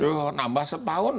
duh nambah setahun